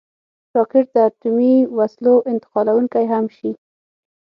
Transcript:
راکټ د اټومي وسلو انتقالونکی هم شي